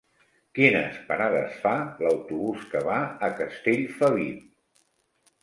Quines parades fa l'autobús que va a Castellfabib?